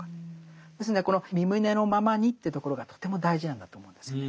ですんでこのみ旨のままにというところがとても大事なんだと思うんですよね。